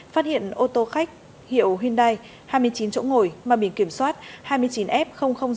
phát hiện ô tô khách hiệu hyundai hai mươi chín chỗ ngồi mà bình kiểm soát hai mươi chín f sáu trăm linh tám